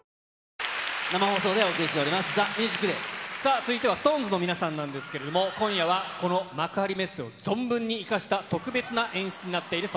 続いてはＳｉｘＴＯＮＥＳの皆さんなんですけれども、今夜はこの幕張メッセを存分に生かした特別な演出になっているそ